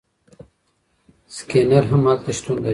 سکینر هم هلته شتون لري.